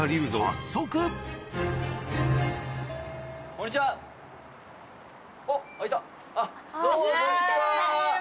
今回はどうもこんにちは。